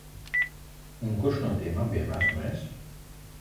Un kurš no tiem abiem esmu es?